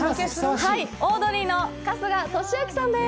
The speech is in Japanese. オードリーの春日俊彰さんです。